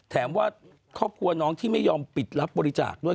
ว่าครอบครัวน้องที่ไม่ยอมปิดรับบริจาคด้วย